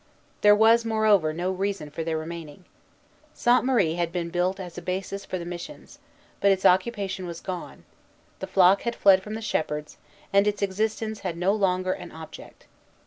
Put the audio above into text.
There was, moreover, no reason for their remaining. Sainte Marie had been built as a basis for the missions; but its occupation was gone: the flock had fled from the shepherds, and its existence had no longer an object.